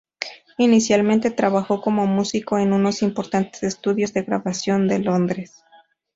Inicialmente trabajó como músico en unos importantes estudios de grabación de Londres.